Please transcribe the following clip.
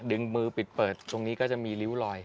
ดึงมือปิดเปิดตรงนี้ก็จะมีริ้วลอย